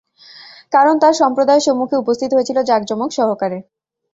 কারণ, তার সম্প্রদায়ের সম্মুখে উপস্থিত হয়েছিল জাঁকজমক সহকারে।